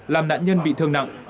làm nạn nhân bị thương nặng